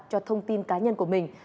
cho thông tin cá nhân của mình